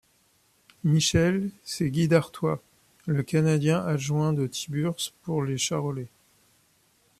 Michel, c’est Guy d'Artois, le canadien adjoint de Tiburce pour le charollais.